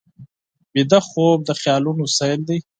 ویده خوب د خیالونو سیل دی